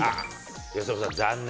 由伸さん、残念。